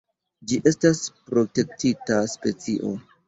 Ĝi estas protektita specio.